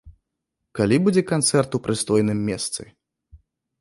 Калі будзе канцэрт у прыстойным месцы?